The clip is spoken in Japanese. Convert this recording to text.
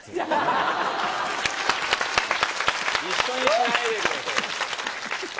一緒にしないでください。